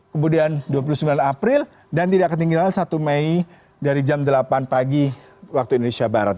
kemudian dua puluh sembilan april dan tidak ketinggalan satu mei dari jam delapan pagi waktu indonesia barat